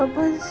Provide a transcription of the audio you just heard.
ma apa sih